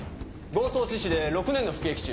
強盗致死で６年の服役中。